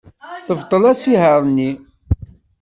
Tebṭel asihaṛ-nni.